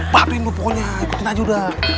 patuhin pokoknya ikutin aja udah